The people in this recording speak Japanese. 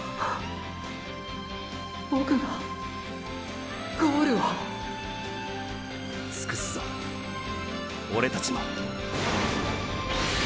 ボクがゴールを尽くすぞオレたちの。